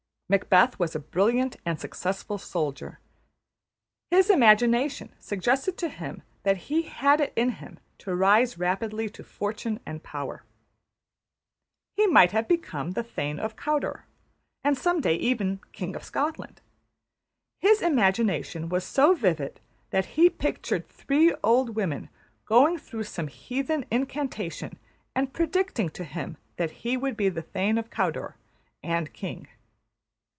Macbeth was a brilliant and successful soldier; his imagination suggested to him that he had it in him to rise rapidly to fortune and power. He might become Thane of Cawdor, and some day even King of Scotland. His imagination was so vivid that he pictured three old women going through some heathen incantation and predicting to him that he would be Thane of Cawdor and King.